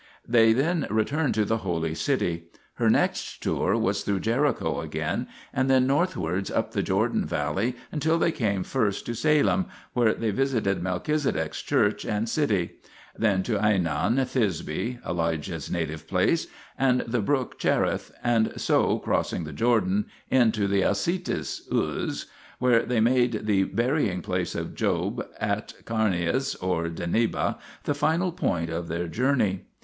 They then returned to the Holy City. Her next tour was through Jericho again and then north wards up the Jordan valley until they came first to Salem, where they visited Melchizedek's church and city; then to Aenon, Thisbe (Elijah's native place) and the brook Cherith, and so, crossing the Jordan, into the Ausitis (Uz), when they made the burying place of Job at Carneas (or Dennaba) the final point in their journey.